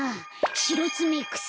シロツメクサ！